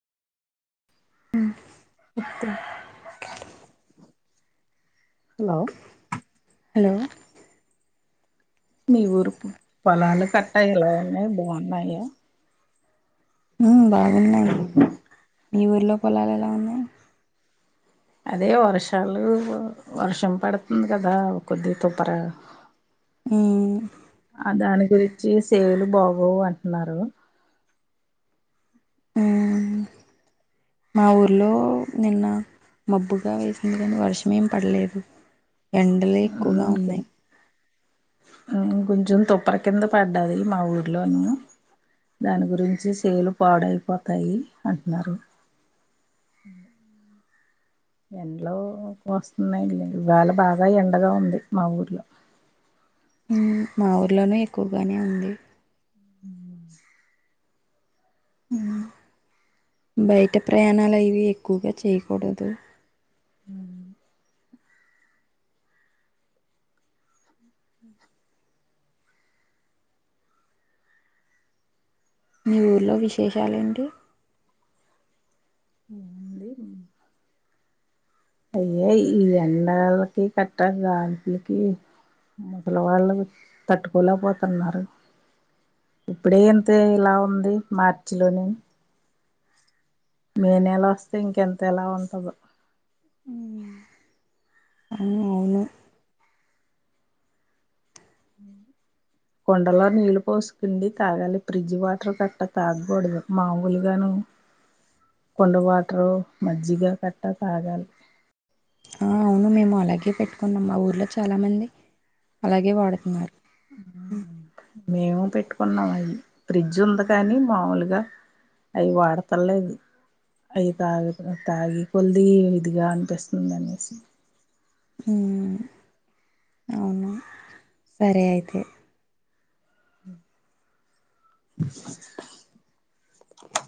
హ్మ్మ్ ఎత్ర హలో మీ ఊరు ప్ పొలాలు కట్టా ఎలా ఉన్నాయ్ బాగున్నాయా వున్లే ఉన్నన్ మీ ఊరిలో పొలాలు ఎలా ఉన్నాయ్ అదే వర్షాలు వర్షం పడుతుంది కదా కొద్దిగ తుప్పర. ఉమ్ ఆ దాని గురించి సేలు బాగోవన్ న్నారు హ్మ్మ్ మా ఊర్లో నిన్న మబ్బుగా వేసింది కానీ వర్షం ఏం పడలేదు. ఎండలే ఎక్కువగా ఉన్నాయ్ ఇంకొంచెం తుప్పుర కింద పడ్డాది మా ఊర్లోనూ దాని గురించి సేలు పాడైపోతాయి అంటున్నారు. ఎండ్లో కోస్తున్నాయి లే ఇవాళ బాగా ఎండగా ఉంది మా ఊర్లో మ్మ్ మా ఊర్లోనే ఎక్కువగానే ఉంది ఉహుం బయట ప్రయాణాలు అవి ఎక్కువగా చేయకూడదు ఉమ్ మీ ఊరిలో విశేషాలేంటి ఏముంది హ్మ్ ఈ ఎండలకి కట్టెలు రాలిపేకి ముసలవాళ్ళగు. తట్టుకోలేకపోతున్నారు ఇప్పుడే అంతే ఇలా ఉంది మార్చి లోని మే నెల వస్తే ఇంకెంత ఎలా ఉంటదో మ్మ్ అవును మ్మ్ కుండలో నీళు పోస్ పిందెల్ తాగాలి ఫ్రిజ్ వాటర్ కట్ట తాగ్గూడదు మామూలుగాను కుండ వాటరు మజ్జిగా కట్ట తాగాలి ఆ అవును మేము అలాగే పెట్టుకున్నాం మా ఊర్లో చాలా మంది అలాగే వాడుతున్నార్ మ్మ్ మేము పెట్టుకున్నాం అవి ఫ్రిడ్జ్ ఉంది కానీ మాములుగా అవి వాడతల్లేదు అవి తాగుతున్న తాగే కొలిది ఇదిగా అనిపిస్తుందనేసి. హ్మ్ అవునా సరే అయితే